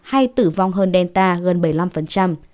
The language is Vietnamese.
hay tử vong hơn delta gần bảy mươi năm